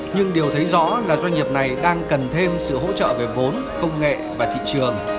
nhưng điều thấy rõ là doanh nghiệp này đang cần thêm sự hỗ trợ về vốn công nghệ và thị trường